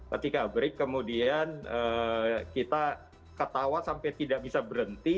ketika break kemudian kita ketawa sampai tidak bisa berhenti